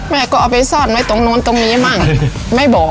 แม่ก็เอาไปซ่อนไว้ตรงนู้นตรงนี้มั่งไม่บอก